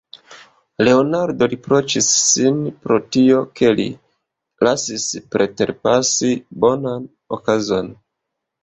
Leonardo riproĉis sin pro tio, ke li lasis preterpasi bonan okazon.